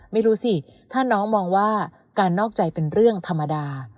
ไม่รู้สิถ้าน้องมองว่าการนอกใจเป็นเรื่องธรรมดา